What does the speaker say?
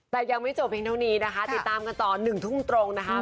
แต่ยังไม่จบเพียงเท่านี้นะคะติดตามกันต่อ๑ทุ่มตรงนะคะ